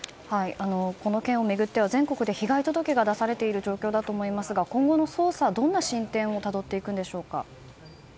この件を巡っては全国で被害届が出されている状況だと思いますが今後の捜査どんな進展をたどっていくでしょうか。